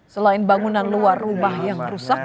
selain bangunan luar rumah yang rusak